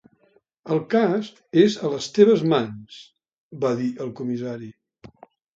"El cas és a les teves mans", va dir el comissari.